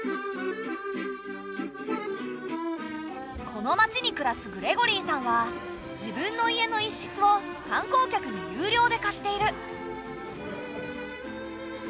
この町に暮らすグレゴリーさんは自分の家の一室を観光客に有料で貸している。